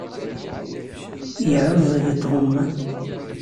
Yeεεuẓẓeg Tom.